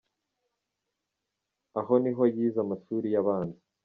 Aho ni naho yize amashuri ye abanza.